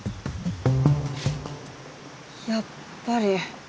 やっぱり。